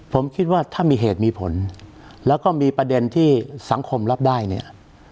ผมคิดว่าถ้ามีเหตุมีผลแล้วก็มีประเด็นที่สังคมรับได้เนี่ย